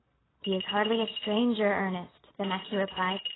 "He is hardly a stranger, Ernest," the marquis replied.